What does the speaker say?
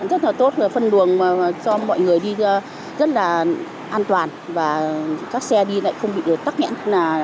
rất là tốt phân đường cho mọi người đi rất là an toàn và các xe đi lại không bị được tắc nhẽn